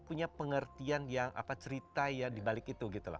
jadi punya pengertian yang cerita ya dibalik itu gitu lah